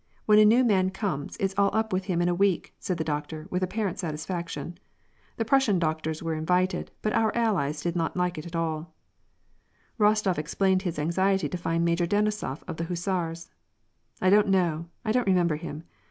When a new man comes, it's all up with him in a week," said the doctor, with apparent satisfaction. " The Prussian doctors were invited, but our allies did not like it at aU." Rostof explained his anxiety to find Major Denisof of the hussars. '* I don't know ; I don't remember him.